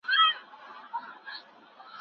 زه پرون کتابتون ته ځم وم.